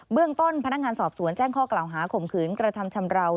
เรื่องต้นพนักงานสอบสวนแจ้งข้อกล่าวหาข่มขืนกระทำชำราว